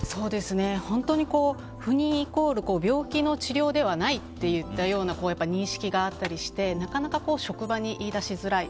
本当に、不妊イコール病気の治療ではないという認識があったりしてなかなか職場に言い出しづらい。